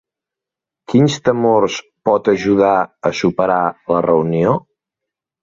Quins temors pot ajudar a superar la reunió?